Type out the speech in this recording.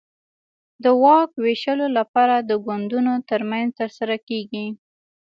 د واک وېشلو لپاره د ګوندونو ترمنځ ترسره کېږي.